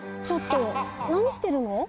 ちょっとなにしてるの？